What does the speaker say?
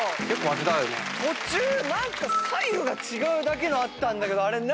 途中何か左右が違うだけのあったんだけどあれ何？